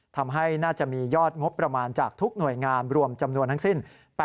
น่าจะมียอดงบประมาณจากทุกหน่วยงานรวมจำนวนทั้งสิ้น